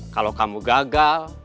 kalau kamu gagal